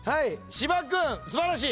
芝君素晴らしい！